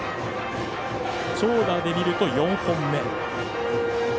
長打で見ると４本目。